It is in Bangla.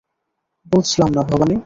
বুঝলাম না, ভবানী।